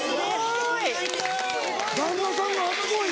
旦那さんが初恋！